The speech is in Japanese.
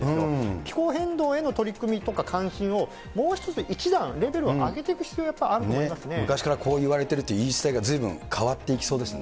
気候変動への取り組みとか関心を、もう一つ一段、レベルを上げていく必要があると、昔からこういわれてるって言い伝えがずいぶん変わっていきそうですね。